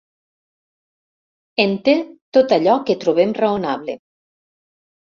En té tot allò que trobem raonable.